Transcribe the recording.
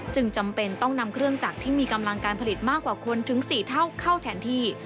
จำเป็นต้องนำเครื่องจักรที่มีกำลังการผลิตมากกว่าคนถึง๔เท่าเข้าแทนที่